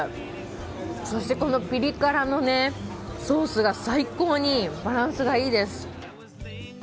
そして、このピリ辛のね、ソースが最高にバランスがいいです。